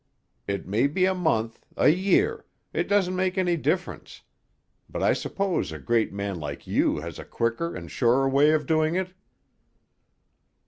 It may be a month, a year—it doesn't make any difference. But I suppose a great man like you has a quicker and surer way of doing it?"